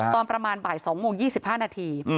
ตอนประมาณบ่าย๒โมง๒๕นาที